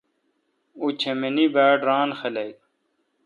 اوں چمینی باڑران خلق۔